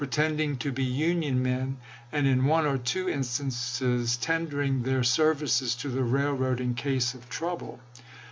tending to be Union men, and in one or two instances tendering their services to the railroad in case of trouble.